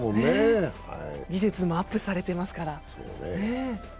技術もアップされていますから。